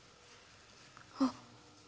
あっ。